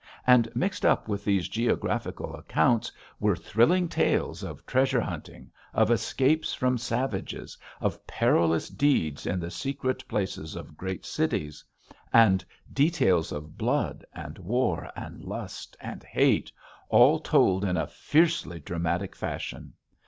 And mixed up with these geographical accounts were thrilling tales of treasure hunting, of escapes from savages, of perilous deeds in the secret places of great cities; and details of blood, and war, and lust, and hate, all told in a fiercely dramatic fashion.